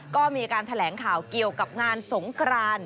ก็มีการแถลงข่าวเกี่ยวกับงานสงกราน